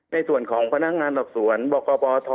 ในส่วนของพนักงานหลักส่วนบปท